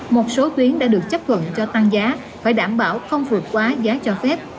một số tuyến đã được chấp thuận cho tăng giá phải đảm bảo không vượt quá giá cho phép